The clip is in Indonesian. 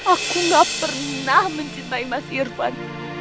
aku gak pernah mencintai mas irfan